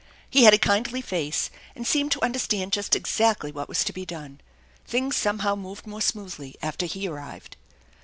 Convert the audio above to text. He had a kindly face, and seemed to understand just exactly what was to be done. Things somehow moved more smoothly after he arrived.